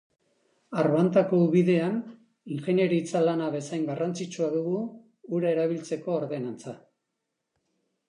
Arbantako ubidean ingeniaritza lana bezain garrantzitsua dugu ura erabiltzeko ordenantza.